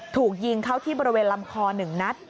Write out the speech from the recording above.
ถูกยิงเข้าที่บริเวณลำคอ๑นัด